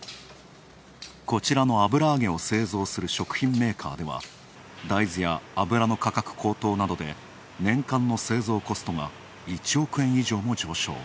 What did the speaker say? こちらの油揚げを製造する食品メーカーでは大豆や油の価格高騰などで年間の製造コストが１億円以上も上昇。